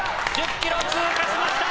１０ｋｍ通過しました。